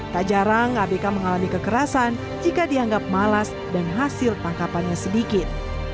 tak jarang abk mengalami kekerasan jika dianggap malas dan hasil tangkapannya sedikit